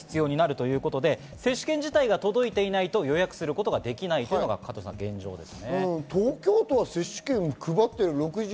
予約の際に接種券の番号の入力が必要になるということで接種券自体が届いていないと予約をすることができないというのが現状です。